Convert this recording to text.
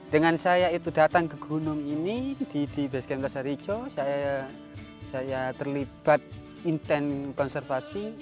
dengan saya itu datang ke gunung ini di beskentasa rijo saya terlibat inten konservasi